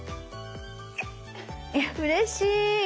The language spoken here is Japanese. いやうれしい。